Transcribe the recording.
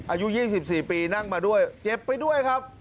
อายุ๒๔ปีนั่งมาด้วยเจ็บไปด้วยครับ